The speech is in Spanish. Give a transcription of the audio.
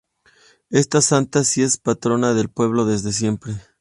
Esta santa sí es la patrona del pueblo desde siempre.